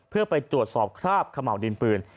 เพื่อไปตรวจสอบคราบเขม่าวดินปืน